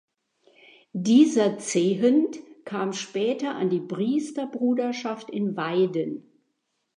Dieser Zehent kam später an die Priesterbruderschaft in Weiden.